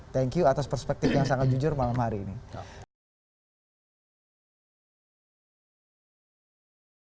thank you atas perspektif yang sangat jujur malam hari ini